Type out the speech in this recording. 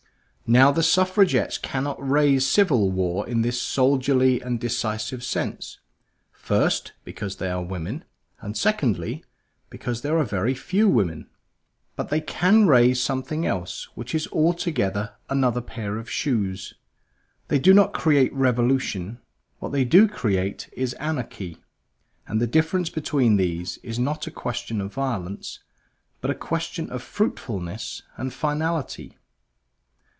Now the Suffragettes cannot raise civil war in this soldierly and decisive sense; first, because they are women; and, secondly, because they are very few women. But they can raise something else; which is altogether another pair of shoes. They do not create revolution; what they do create is anarchy; and the difference between these is not a question of violence, but a question of fruitfulness and finality.